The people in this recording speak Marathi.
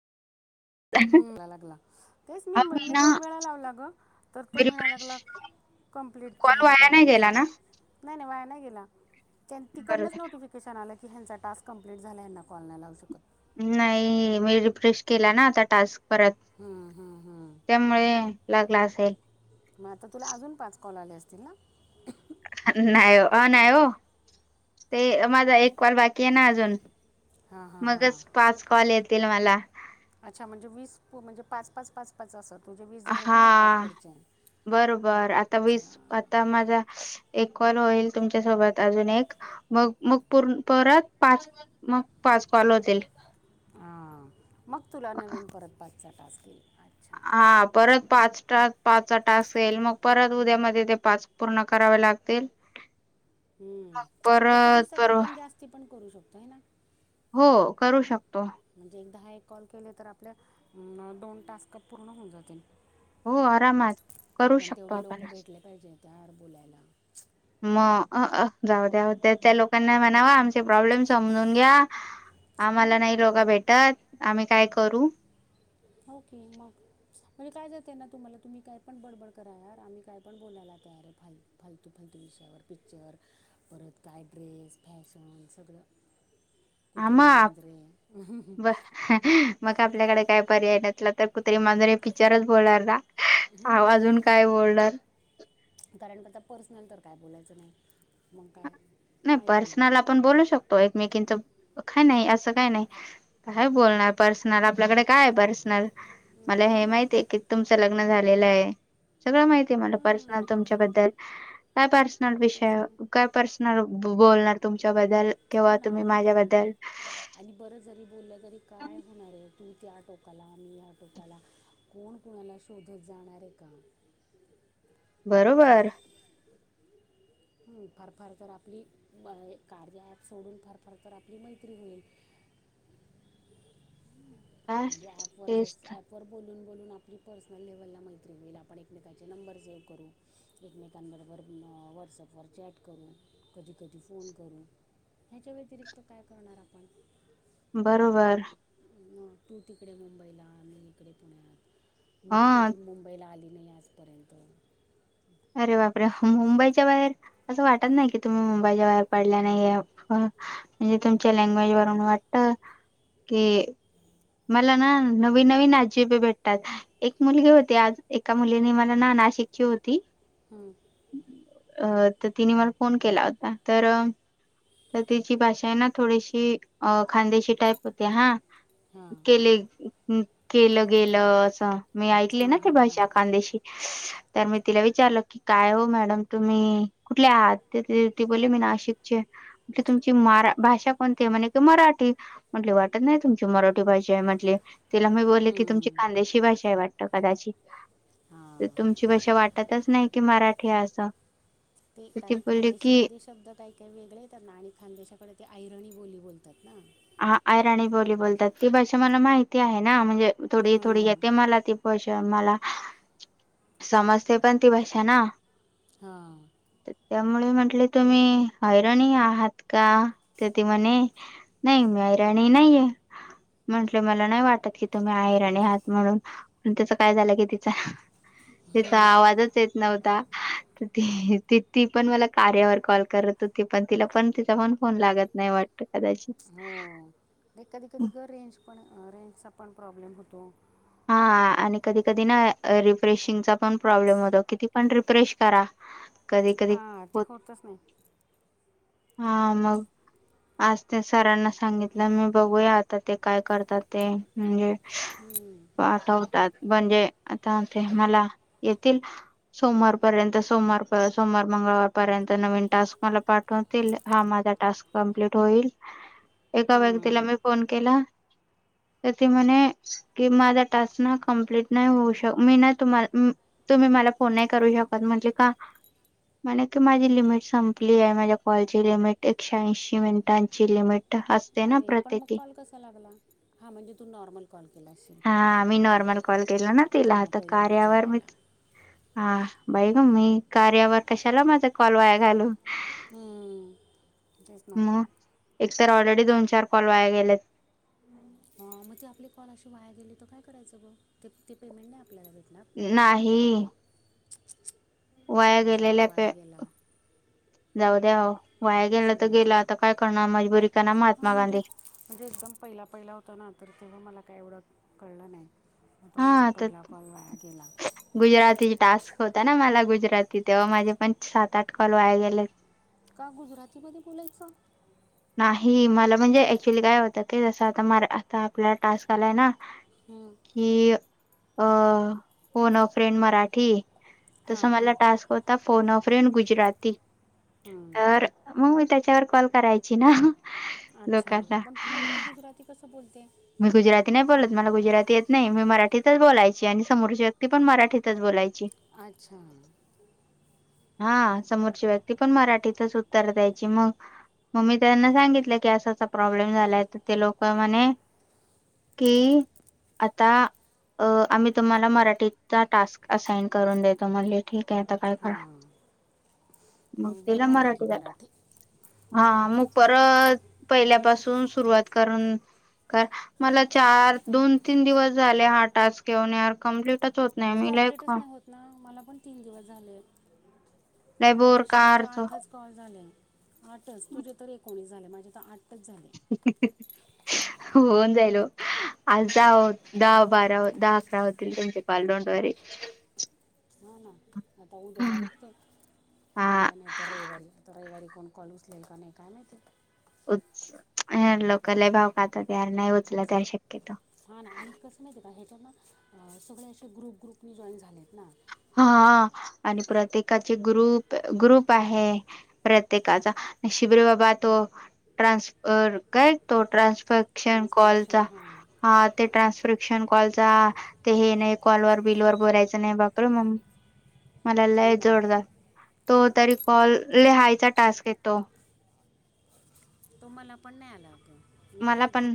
हम्म आता लागला. तेच मी अहो मी ना दोन वेळा लावला ग, तर तो मी म्हणा रिफ्रेश लागला कंप्लीट कॉल झालाय वाया नाही कम्प्लीट गेला झालं. ना? नाही नाही वाया नाही गेला बरं तिकडनच नोटिफिक किचन आलं की ह्यांचा टास्क कमप्लीट झाला ह्यांना कॉल नाही लावू शकत. नाही मी रिफ्रेश केला ना आता टास्क परत त्यामुळे लागला असेल. मग आता तुला अजून पाच कॉल आले असतील ना? नाही अ नाही ओ ते माझा एक कॉल बाकी आहे ना अजून. हां हां हां मगच पाच कॉल येतील मला. अच्छा म्हणजे वीस म्हणजे पाच पाच पाच पाच असं तुमजे वीस झाले की हा मग पाच पुढचे? बरोबर आता अच्छा विस आता माझा एक कॉल होईल तुमच्यासोबत अजून एक मग मग परत पाच मग पाच कॉल होतील. हा मग तुला नवीन परत पा टास्क येईल. अच्छा हा परत पाच टास पाच टास येईल मग परत उद्यामाझे ते पाच पूर्ण करावे लागतील. हम्म, एका परत दिवसात पर आपण जास्ती पण करू शकतो आहे ना? हो करू शकतो म्हणजे एकदाहा एक कॉल केले तर आपल्या दोन टास्क पूर्ण होऊन जातील. हो आरामात. करू पण शकतो तेवढे लोक आपण. भेटले पाहिजे तर बुलायला. मग अ अ जाऊ द्या ओ त्या त्या लोक त्याना म्हणावा आमचे प्रॉब्लेम समजून घ्या हा आम्हाला ना नाही लोक भेटत आम्ही काय करू? हो की मग? म्हजे काय जात आहे ना, तुम्हाला तुम्ही काय पण बडबड करा यार आम्ही काय पण बोलायला तयार आहे भाई. फालतू फालतू विषयावर पिक्चर परत काय ड्रेस, फॅशन, सगळं कुत्रे, आम मांजरे ब मग आपल्याकडे काय पर्याय नसला तर कुत्रेरी मांजरे पिक्चरच बोलणार हा. आव अजून हम्म, मग काय बोलणार? कारण आता पर्सनल तर काय बोलायचं नाही. मग काय? नाही आहे की पर्सनल आपण बोलू शकतो. एकमेकीचं का नाही असं काही नाही. काय बोलणार पर्सनल? आपल्याकडे काय पर्स नला मला हम्म, हा हे ना माहिती आहे की तुमच लग्न झालेलं ये. सगळं माहिती आहे मला पर्सनल हम्म, तुमच्याबद्दल. काय पर्सनल तेच विषय की काय पर्सन बोलणार तुमच्या बद्दल किंवा हो ना तुम्ही आणि माझ्याबद्दल? आणि बरं जरी बोललं तरी काय होणार आहे? तू त्या टोकाला मी या टोकाला कोण कोणाला शोधत जाणार आहे का? सांग बरोबर फार फार तर आपली कार्य ॲप सोडून फार फार तर आपली मैत्री होईल. का म्हणजे ॲपवर तेच जस तर. ॲप र बोलून बोलून आपली पर्सनल लेव्हलला मैत्री होईल आपण एकमेकचे नंबर सेव्ह करू एकमेकांबरोबर व्हॉट्सअपवर चॅट करून. कधी कधी फोन करून ह्याच्या व्यतिरिक्त काय करणार आपण? बरोबर. म तू तिकडे मुंबईला मी इकडे पुण्यात. मी ह कधी मुंबईला आली नाही आजपर्यंत. अरे बापरे! मुंबईच्या बाहेर असं वाटत नाही की तुम्ही मुंबईच्या बाहेर पडल्या नाहीये अ म्हणजे तुमच्या लँग्वेज वरून वाटत कि मला ना नवीन नवीन आजिबे भेटतात. एक मुलगी होती आज, एका मुलीने मला ना नाशिकची होती, हं. अ त तिने मला फोन केला होता. तर तर तिची भाषा आहे ना थोडीशी अ खांदेशी टाईप होती. हां. हां केले, केलं गेलं असं, मी ऐकले ना हां ते हां हां भाषा, खांदेशी. तर मी तिला विचारलं की काय ओ मॅडम तुम्ही कुठले आहात? ते ती बोलली मी नाशिकचीये. म्हटलं तुमची मारा भाषा कोणतीय? म्हणे कि मराठी. म्हटले वाटत नाही तुमची मराठी भाषा आहे म्हटली. तिला मी बोलले की तुमची हं, खांदेशी भाषा आहे वाटत कदाचित. हां तर तुमची भाषा वाट तच नाही की मराठी आहे असं. ते तर ती कारण बोलली खांदेशी की मध्ये शब्द काही काही वेगळे येतात ना. आणि खानदेशाकडे ते आयरणी बोली बोलतात ना. हा, आयराणी बोली बोलतात. ती भाषा मला माहिती आहे ना, म्हणजे थोडी थोडी हं, येते मला ती. भाषा मला समजते पण ती भाषा ना. हा. त त्यामुळे म्हटले तुम्ही अहिरणी आहात का? त ती म्हणे, नाही, मी ऐराणी नाहीये. म्हंटले मला नाही वाटत की तुम्ही अहिराणी आहात म्हणून. पन त्याचं काय झालं की तिच तिचा आवाजच येत नव्हता. त ती पण मला कार्यावर कॉल करत होती. पण तिला पण तिचा पण फोन लागत नाही वाटत. त कदाचित. हो. नाही, कधी कधी ग रेंज पण, रेंजचा पण प्रॉब्लेम होतो. हा आणि कधी कधी ना रिफ्रेशिंगचा पण प्रॉब्लेम होतो. किती पण रिफ्रेश करा कधी कधी हं, ते होत होतच नाही. हा, मग आज ते सरांना सांगितलं मी, बघूया आता ते काय करतात ते. म्हणजे हं. पाठवतात. म्हणजे आता ते मला येतील सोमवार पर्यंत. सोमवारपर्यंत, सोमवार, सोमवार मंगळवारपर्यंत नवीन टास्क मला पाठव तील. हा माझा टास्क कंप्लीट होईल. एका व्यक्तीला हं, मी फोन केला तर ती म्हणे, कि माझा टास्क ना कम्प्लीट नाही होऊ शक, मी नाय तुम्हाला म तुम्ही मला फोन नाही करू शकत. म्हटले का? म्हणे की माझी मग लिमिट संपली आहे. मला कॉल ची लिमिट. एकशेऐंशी मिनिटांची लिमिट असते ना अरे! पण मग प्रत्येकी कॉल कसा लागला? हा म्हणजे तू नॉर्मल कॉल केला असशील. हा. मी नॉर्मल कॉल केला ना तिला, हां आता पहिले कार्यावर मी विचारायला हा, बाई ग मी, कार्यावर कशाला माझा कॉल वाया घालवू. हम्म्म. मग, एकतर ऑलरेडी दोन चार कॉल वाया गेलेत. आं, मग ते आपली कॉल अशे वाया गेले तर काय करायचं ग? ते ते पेमेंट नाही आपल्याला भेटनार? नाही. छृछृछृ [unintelligible] वाया गेलेल्या पे [inaudible] जाऊ द्या ओ, वाया गेलं तर गेलं सुरुवातीचा आता काय करणार, मजबुरीचा नाम हां महात्मा म्हणजे गांधी. म्हणजे एकदम पहिला, पहिला होतं ना, तर तेव्हा मला काय एवढं कळलं नाही. मग तो माझा पहिला कॉल वाया गेला. गुजरातीच टास्क होता ना मला गुजराती, तेव्हा माझे पण सात आठ कॉल वाया गेले. का गुजराती मध्ये बोलायचां? नाही मला म्हणजे ऍक्च्युली काय होतं क जसं आता म आता आपल्याला टास्क आलाय ना हम्म. कि अ फोन अ फ्रेंड मराठी तस हां मला हां टास्क हो ता फोन अ फ्रेंड गुजराती हम्म, तर मग मी त्याच्यावर कॉल करायची ना. अच्छा! लोकांना पण मग तू गुजराती कसं बोलते? मी गुजराती नाही बोलत, मला गुजराती येत नाही, मी मराठीतच बोलायची, आणि समोरची व्यक्ती पण मराठीतच बोलायची. अच्छा! हा, समोरची व्यक्ती पण मराठीतच उत्तर द्यायची, मग मग मी त्यांना सांगितलं की असा प्रॉब्लेम झालाय तर ते लोक म्हणे कि आता अ आम्ही तुम्हाला मराठीचा टास्क असाइन करून देतो म्हणले ठीक आहे आता काय करा. हां मग बरं तिला झालं की मराठीचा मराठी. हा मग परत पहिल्यापासून सुरुवात करून मला चार दोन तीन दिवस झाले हा टास्क घेऊन यार कमप्लीटच हो कंप्लीटच नाही होत ना मला पण तीन दिवस झाले. लय बोर आताशी माझे कारच आठच कॉल झाले आठच तुझे तर एकोणीस झाले माझे तर आठच झाले. होउन जाईल ओ. आज दहा दहा बारा दहा अकरा होतील तुमचे पाल दोंट वारी. ह ना आता उद्याला बघते हा उद्या नाही तर रविवारी तर रविवारी कोण कॉल उचलेल का नाही काय माहिती. उच, लोक लय भाव खातात नाही उचला त्या शक्यतो. हा ना आणि कसं माहिती आहे का ह्याच्यान सगळे असे ग्रुप ग्रुप मी जॉईन झालेत ना. हा आणि प्रत्येकाचे ग्रुप ग्रुप आहे. प्रत्येकाचा नशिब रे बाबा तो ट्रान्सफर काय तो ट्रान्सफर शन कॉलचा ट्रान्सक्रिप्शन हां हा ते ट्रान्स्क्रिप्शन कॉलचा ते हे नाही कॉलवर बिलवर बोलायचं नाही बघ. प मग मला हो लय ना जोडदार तो तरी कॉलले लिहायचा टास्क येतो. तो मला पण नाही का? मी मला गु पण